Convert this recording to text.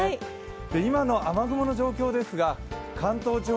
今の雨雲の状況ですが関東地方